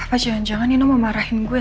apa jangan jangan ini memarahin gue